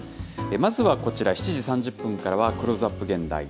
まずはこちら、７時３０分からは、クローズアップ現代。